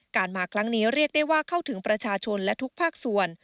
มาครั้งนี้เรียกได้ว่าเข้าถึงประชาชนและทุกภาคส่วน